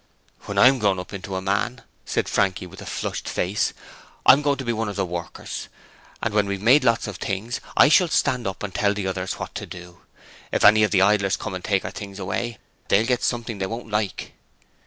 'When I'm grown up into a man,' said Frankie, with a flushed face, 'I'm going to be one of the workers, and when we've made a lot of things, I shall stand up and tell the others what to do. If any of the idlers come to take our things away, they'll get something they won't like.'